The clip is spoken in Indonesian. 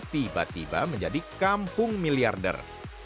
tiba tiba menjadi kampung miliarder